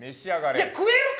いや食えるか！